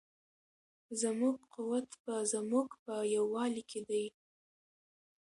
زموږ قوت په زموږ په یووالي کې دی.